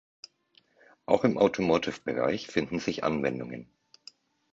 Auch im Automotive-Bereich finden sich Anwendungen.